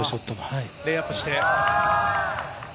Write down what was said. レイアップして。